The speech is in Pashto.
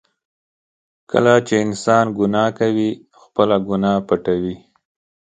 کله چې انسان ګناه کوي، خپله ګناه پټوي.